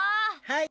はい！